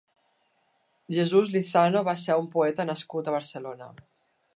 Jesús Lizano va ser un poeta nascut a Barcelona.